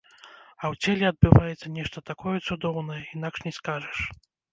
А ў целе адбываецца нешта такое цудоўнае, інакш не скажаш.